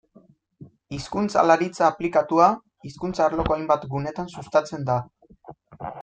Hizkuntzalaritza aplikatua, hizkuntza arloko hainbat gunetan sustatzen da.